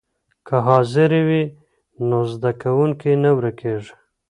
که حاضري وي نو زده کوونکی نه ورکېږي.